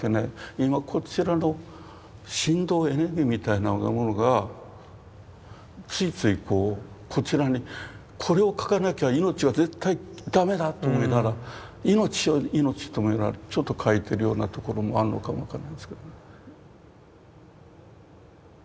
今こちらの振動エネルギーみたいなものがついついこちらにこれを描かなきゃ命が絶対駄目だと思いながら命を命と思いながらちょっと描いてるようなところもあるのかも分かんないですけど。